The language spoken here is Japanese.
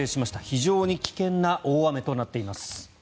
非常に危険な大雨となっています。